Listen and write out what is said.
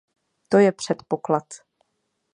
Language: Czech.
To je předpoklad.